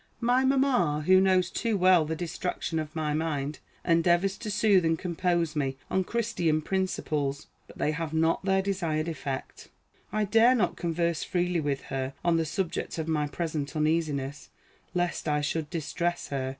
My mamma, who knows too well the distraction of my mind, endeavors to soothe and compose me on Christian principles; but they have not their desired effect. I dare not converse freely with her on the subject of my present uneasiness, lest I should distress her.